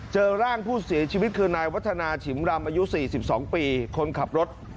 เจอร่างผู้เสียชีวิตคือนายวัฒนาฉิมรำอายุ๔๒ปีคนขับรถ